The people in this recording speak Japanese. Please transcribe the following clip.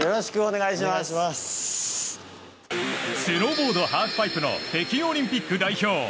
スノーボードハーフパイプの北京オリンピック代表